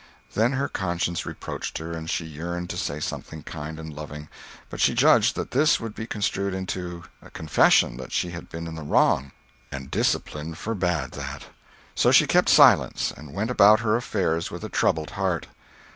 Then her conscience reproached her, and she yearned to say something kind and loving; but she judged that this would be construed into a confession that she had been in the wrong, and discipline forbade that. So she kept silence, and went about her affairs with a troubled heart.